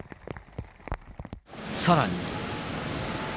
さらに。